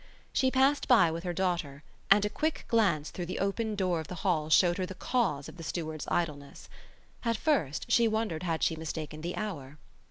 She passed by with her daughter and a quick glance through the open door of the hall showed her the cause of the stewards' idleness. At first she wondered had she mistaken the hour.